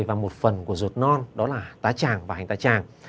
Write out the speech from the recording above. và một phần của rột non đó là tá tràng và hành tá tràng